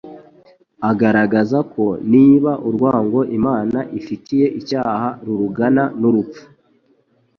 Agaragaza ko niba urwango Imana ifitiye icyaha rurugana n'urupfu,